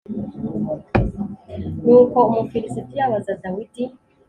nuko umufilisitiya abaza dawidi